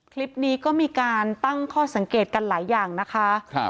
คลิปนี้ก็มีการตั้งข้อสังเกตกันหลายอย่างนะคะ